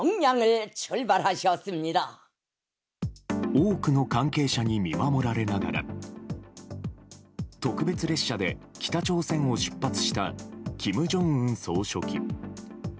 多くの関係者に見守られながら、特別列車で北朝鮮を出発したキム・ジョンウン総書記。